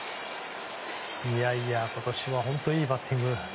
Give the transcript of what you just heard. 今年は本当にいいバッティング。